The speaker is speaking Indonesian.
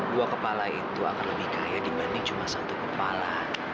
dua kepala itu akan lebih kaya dibanding cuma satu kepala